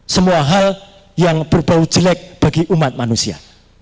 semua hal yang berbau jelek bagi umat manusia